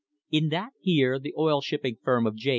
In that year the oil shipping firm of J.